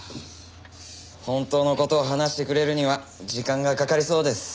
本当の事を話してくれるには時間がかかりそうです。